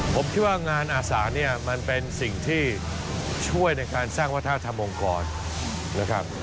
ผมคิดว่างานอาสาเนี่ยมันเป็นสิ่งที่ช่วยในการสร้างวัฒนธรรมองค์กรนะครับ